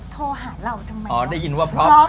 โทรหาเราทำไมเนี่ย